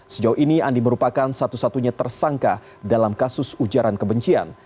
sejauh ini andi merupakan satu satunya tersangka dalam kasus ujaran kebencian